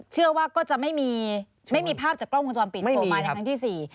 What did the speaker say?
เชื่อว่าก็จะไม่มีไม่มีภาพจากกล้องวงจรปิดที่โทรมาในครั้งที่๔